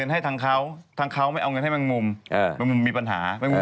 สีเก่าแสงสีแง่